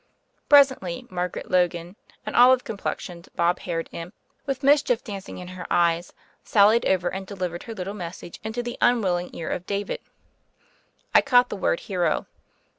Presently, Margaret Logan, an olive complexioned, bob haired imp with mischief dancing in her eyes, sallied over and delivered her little message into the unwilling ear of David. I caught the word ''hero.